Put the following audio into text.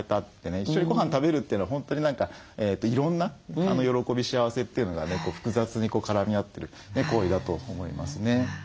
一緒にごはん食べるというのは本当に何かいろんな喜び幸せというのがね複雑に絡み合ってる行為だと思いますね。